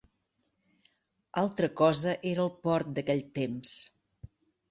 Altra cosa era el port d'aquell temps.